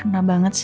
oh enggak harness